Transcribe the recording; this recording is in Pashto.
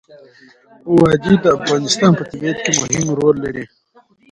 وادي د افغانستان په طبیعت کې مهم رول لري.